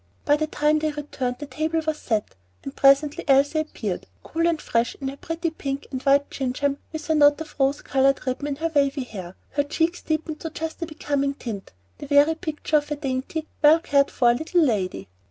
By the time they returned the table was set, and presently Elsie appeared, cool and fresh in her pretty pink and white gingham with a knot of rose colored ribbon in her wavy hair, her cheeks deepened to just the becoming tint, the very picture of a dainty, well cared for little lady.